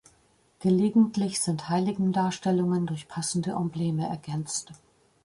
Gelegentlich sind Heiligendarstellungen durch passende Embleme ergänzt.